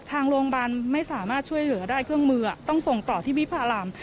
ทางโรงพยาบาลไม่สามารถช่วยเหลือได้เครื่องมือต้องส่งต่อที่วิพาราม